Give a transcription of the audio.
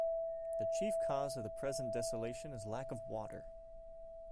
The chief cause of the present desolation is lack of water.